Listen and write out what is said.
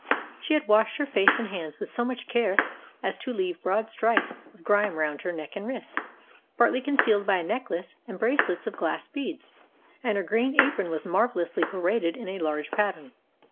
She had washed her face and hands with so much care as to leave broad stripes of grime round her neck and wrists, partly concealed by a necklace and bracelets of glass beads; and her green apron was marvellously braided in a large pattern.